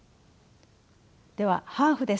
では「ハーフですか？